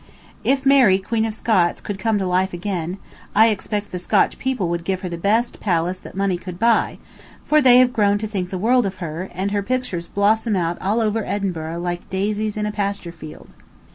If Mary Queen of Scots could come to life again, I expect the Scotch people would give her the best palace that money could buy, for they have grown to think the world of her, and her pictures blossom out all over Edinburgh like daisies in a pasture field.